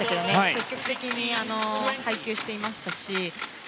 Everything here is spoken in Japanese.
積極的に配球していましたし。